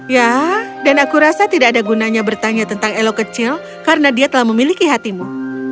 ya dan aku rasa tidak ada gunanya bertanya tentang elo kecil karena dia telah memiliki hatimu